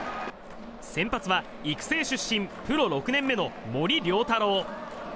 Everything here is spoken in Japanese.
先発は育成出身プロ６年目の森遼大朗。